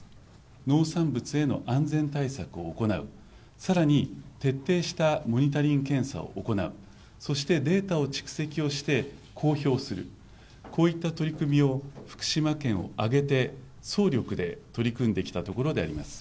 農産物への安全対策を行う、さらに徹底したモニタリング検査を行う、そしてデータを蓄積をして、公表する、こういった取り組みを、福島県を挙げて、総力で取り組んできたところであります。